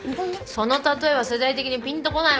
その例えは世代的にピンと来ないわよ。